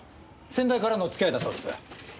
先代からの付き合いだそうです。